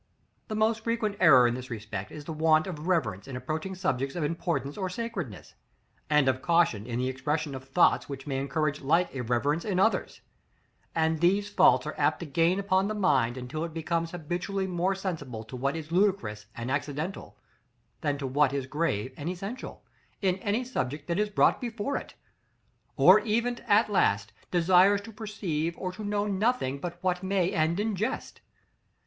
The most frequent error in this respect is the want of reverence in approaching subjects of importance or sacredness, and of caution in the expression of thoughts which may encourage like irreverence in others: and these faults are apt to gain upon the mind until it becomes habitually more sensible to what is ludicrous and accidental, than to what is grave and essential, in any subject that is brought before it; or even, at last, desires to perceive or to know nothing but what may end in jest.